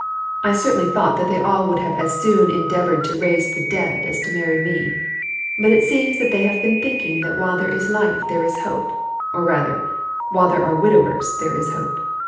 I certainly thought that they all would have as soon endeavored to raise the dead as to marry me, but it seems that they have been thinking that while there is life there is hope, or rather, while there are widowers there is hope.